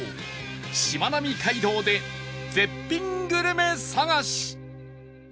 しまなみ街道で絶品グルメ探し